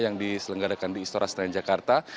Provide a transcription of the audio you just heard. yang diselenggarakan di istora senayan jakarta